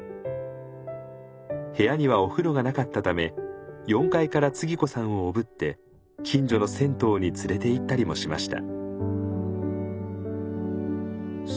部屋にはお風呂がなかったため４階からつぎ子さんをおぶって近所の銭湯に連れていったりもしました。